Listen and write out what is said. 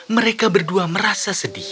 mereka berdua merasa sedih